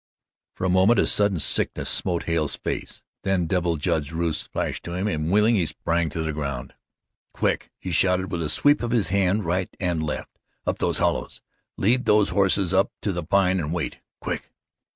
For a moment a sudden sickness smote Hale's face, then Devil Judd's ruse flashed to him and, wheeling, he sprang to the ground. "Quick!" he shouted, with a sweep of his hand right and left. "Up those hollows! Lead those horses up to the Pine and wait. Quick!"